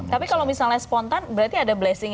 tapi kalau misalnya spontan berarti ada blessing